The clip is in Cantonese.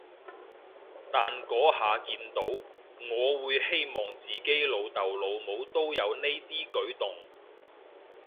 但嗰下見到，我會希望自己老豆老母都有呢啲舉動